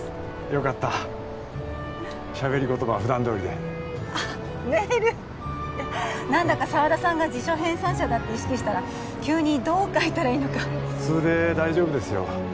よかったしゃべり言葉は普段どおりであっメール何だか沢田さんが辞書編纂者だって意識したら急にどう書いたらいいのか普通で大丈夫ですよ